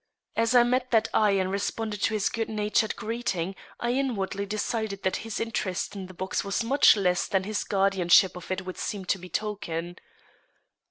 As I met that eye and responded to his good natured greeting, I inwardly decided that his interest in the box was much less than his guardianship of it would seem to betoken.